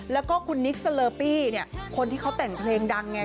แล้วก็คุณนิกสเลอปี้เนี่ยคนที่เขาแต่งเพลงดังไง